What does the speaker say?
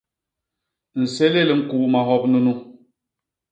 Nsélél ñkuu mahop nunu.